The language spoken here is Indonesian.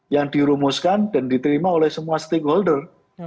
yang dirumuskan dan diterima oleh semua stakeholder